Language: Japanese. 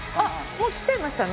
もう来ちゃいましたね。